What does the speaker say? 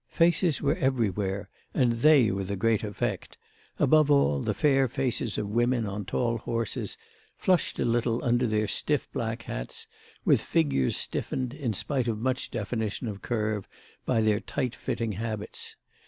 Faces were everywhere, and they were the great effect—above all the fair faces of women on tall horses, flushed a little under their stiff black hats, with figures stiffened, in spite of much definition of curve, by their tight fitting habits.